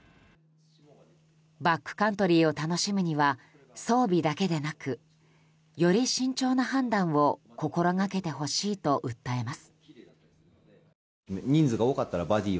バックカントリーを楽しむには装備だけでなくより慎重な判断を心掛けてほしいと訴えます。